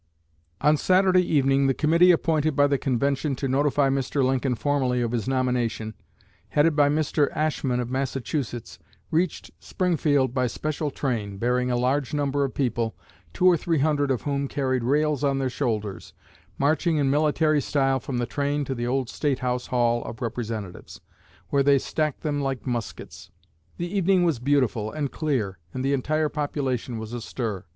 On Saturday evening, the committee appointed by the convention to notify Mr. Lincoln formally of his nomination, headed by Mr. Ashmun of Massachusetts, reached Springfield by special train, bearing a large number of people, two or three hundred of whom carried rails on their shoulders, marching in military style from the train to the old State House Hall of Representatives, where they stacked them like muskets. The evening was beautiful and clear, and the entire population was astir.